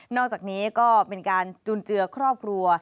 อกจากนี้ก็เป็นการจุนเจือครอบครัว